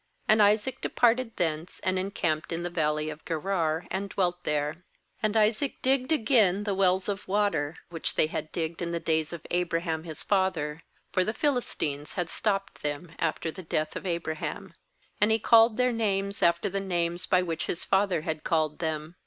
17And Isaac departed thence, and encamped in the valley of Gerar, and dwelt there. 18And Isaac digged again the wells of water, which they had digged in the days of Abraham Ms father; for the PMlistines had stopped them after the death of Abraham; and he called their names after the names by wMch Ms father had called them.